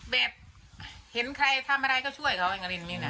แบบเห็นใครทำอะไรก็ช่วยเขาอังกฤษนี้น่ะ